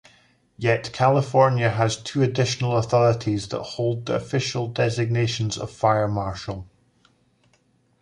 Yet, California has two additional authorities that hold the official designations of Fire Marshal.